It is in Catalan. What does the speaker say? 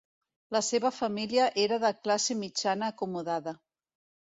La seva família era de classe mitjana acomodada.